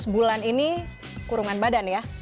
seratus bulan ini kurungan badan ya